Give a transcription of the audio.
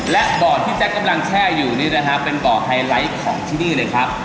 และบ่อที่แจ๊คกำลังแช่อยู่นี่นะครับเป็นบ่อไฮไลท์ของที่นี่เลยครับ